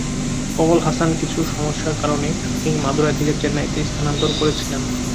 কমল হাসন কিছু সমস্যার কারণে শুটিং মাদুরাই থেকে চেন্নাইতে স্থানান্তর করেছিলেন।